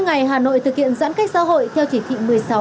sáu mươi ngày hà nội thực hiện giãn cách xã hội theo chỉ thị một mươi sáu